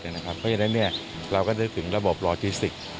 เพราะฉะนั้นเราก็นึกถึงระบบโลจิสติก